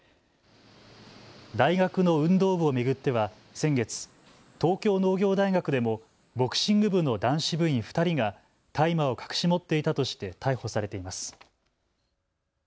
大学の運動部を巡っては先月、東京農業大学でもボクシング部の男子部員２人が大麻を隠し持っていたとして逮捕されています。